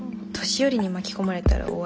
年寄りに巻き込まれたら終わり。